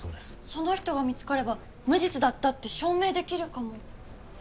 その人が見つかれば無実だったって証明できるかも。